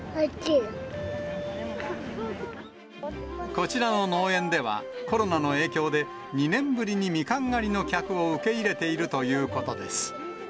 こちらの農園では、コロナの影響で、２年ぶりにミカン狩りの客を受け入れているということです。